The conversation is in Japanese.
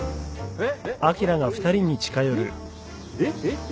えっ？